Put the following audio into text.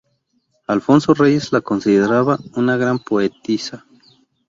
Alfonso Reyes la consideraba una gran poetisa.